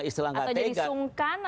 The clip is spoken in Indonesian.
atau jadi sungkan atau bagaimana